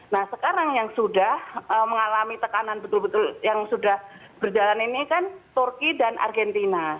nah sekarang yang sudah mengalami tekanan betul betul yang sudah berjalan ini kan turki dan argentina